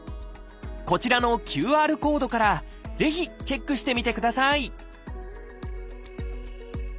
こちらのＱＲコードからぜひチェックしてみてください